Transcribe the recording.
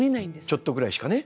ちょっとぐらいしかね。